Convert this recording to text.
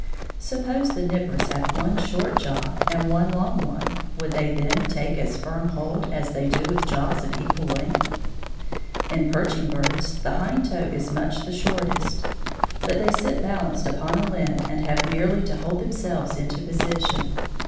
Suppose the nippers had one short jaw and one long one, would they then take as firm hold as they do with jaws of equal length? In perching birds the hind toe is much the shortest, but they sit balanced upon a limb and have merely to hold themselves in position.